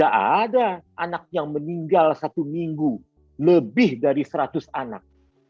ada anak yang meninggal satu minggu lebih dari seratus anak